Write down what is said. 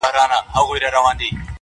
چي ته حال راكړې گرانه زه درځمه,